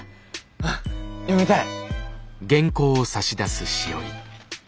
うん読みたい。